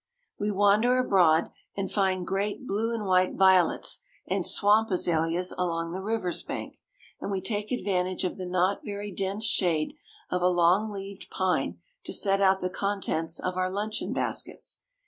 We wander abroad, and find great blue and white violets and swamp azaleas along the river's brink; and we take advantage of the not very dense shade of a long leaved pine to set out the contents of our luncheon baskets.